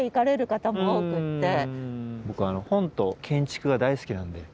僕本と建築が大好きなんで。